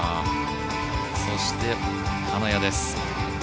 そして、金谷です。